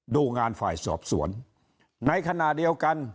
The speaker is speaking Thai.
ดูงานฝ่ายสอบสวนในขณะเดียวกัน